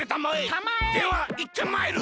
たまえ！ではいってまいる！